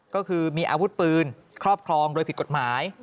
ก็คือมีอาวุธปืนครอบครองโดยผิดกฎหมาย